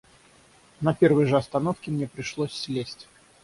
На первой же остановке мне пришлось слезть.